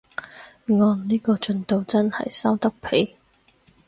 按呢個進度真係收得皮